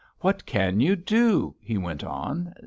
"What can you do?" he went on.